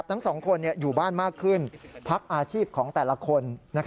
ทั้งสองคนอยู่บ้านมากขึ้นพักอาชีพของแต่ละคน